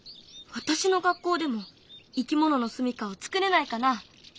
私の学校でもいきもののすみかをつくれないかな？